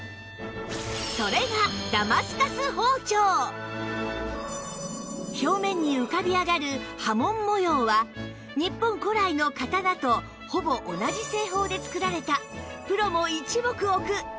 それが表面に浮かび上がる波紋模様は日本古来の刀とほぼ同じ製法で作られた